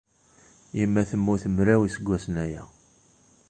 Yemma temmut mraw n yiseggasen aya.